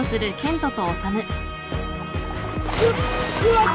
・うわっ！